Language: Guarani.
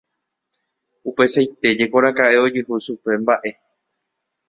Upeichaite jekoraka'e ojehu chupe mba'e.